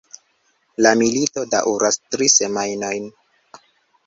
La milito daŭras tri semajnojn.